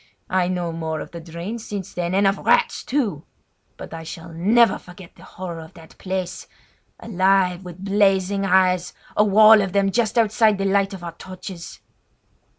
I know more of the drains since then, and of rats, too! but I shall never forget the horror of that place—alive with blazing eyes, a wall of them just outside the light of our torches.